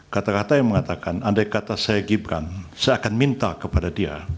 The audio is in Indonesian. kata kata yang mengatakan andai kata saya gibran saya akan minta kepada dia